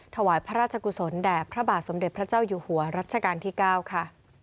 ถวายพระราชกุศลแด่พระบาทสมเด็จพระเจ้าอยู่หัวรัชกาลที่๙ค่ะ